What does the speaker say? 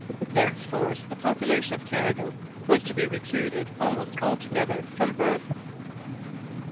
Thenceforth the population of Canada was to be recruited almost altogether from births.